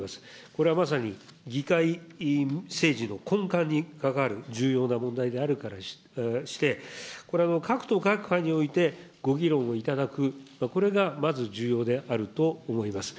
これはまさに議会政治の根幹に関わる重要な問題であるからして、これは各党各派においてご議論をいただく、これがまず重要であると思います。